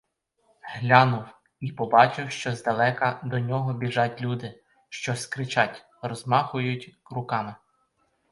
Глянув — і побачив, що здалека до нього біжать люди, щось кричать, розмахують руками.